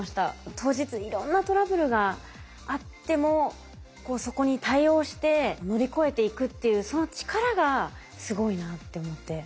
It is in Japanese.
当日いろんなトラブルがあってもそこに対応して乗り越えていくっていうその力がすごいなって思って。